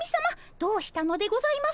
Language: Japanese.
どうしたのでございますか？